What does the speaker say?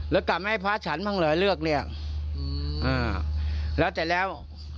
แล้วก็ไม่ให้พระอาจฉันต์บ้างเลยเลือกเนี้ยอืมอ่าแล้วเสร็จแล้ว